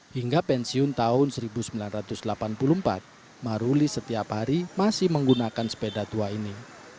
hingga pensiun tahun seribu sembilan ratus delapan puluh empat maruli setiap hari masih menggunakan sepeda tua ini